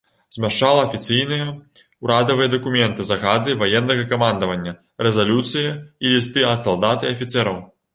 Змяшчала афіцыйныя ўрадавыя дакументы, загады ваеннага камандавання, рэзалюцыі і лісты ад салдат і афіцэраў.